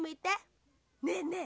ねえねえ。